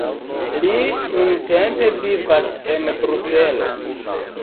Li nuntempe vivas en Bruselo.